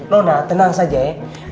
rona tenang saja ya